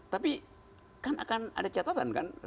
tapi kan akan ada catatan kan